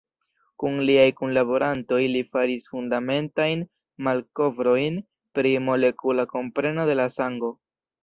Kun liaj kunlaborantoj li faris fundamentajn malkovrojn pri molekula kompreno de la sango.